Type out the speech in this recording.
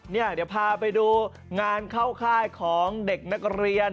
เดี๋ยวพาไปดูงานเข้าค่ายของเด็กนักเรียน